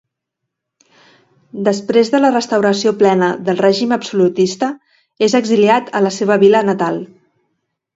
Després de la restauració plena del règim absolutista és exiliat a la seva vila natal.